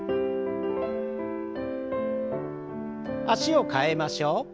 脚を替えましょう。